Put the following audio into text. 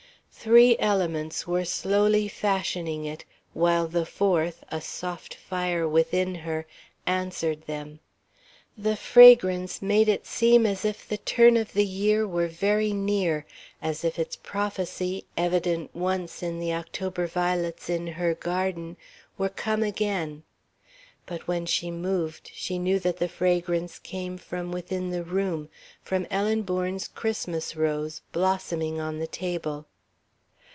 Three elements were slowly fashioning it, while the fourth, a soft fire within her, answered them. The fragrance made it seem as if the turn of the year were very near, as if its prophecy, evident once in the October violets in her garden, were come again. But when she moved, she knew that the fragrance came from within the room, from Ellen Bourne's Christmas rose, blossoming on the table....